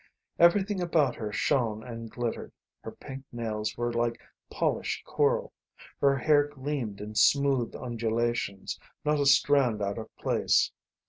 Everything about her shone and glittered. Her pink nails were like polished coral. Her hair gleamed in smooth undulations, not a strand out of place.